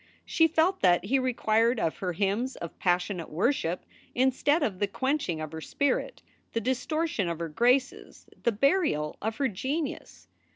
She felt that he required of her hymns of passionate worship instead of the quenching of her spirit, the distortion of her graces, the burial of her genius.